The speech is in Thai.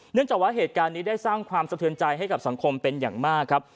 จากว่าเหตุการณ์นี้ได้สร้างความสะเทือนใจให้กับสังคมเป็นอย่างมากครับ